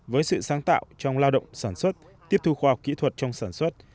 với sự sáng tạo trong lao động sản xuất tiếp thu khoa học kỹ thuật trong sản xuất